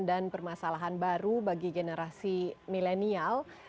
dan permasalahan baru bagi generasi milenial